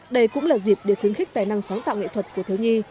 đây cũng là dịp để khuyến khích tài năng sáng tạo nghệ thuật của thiếu nhi